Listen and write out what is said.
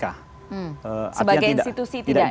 sebagai institusi tidak ya